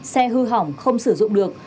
xe hư hỏng không sử dụng được